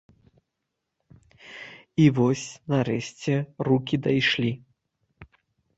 І вось нарэшце рукі дайшлі.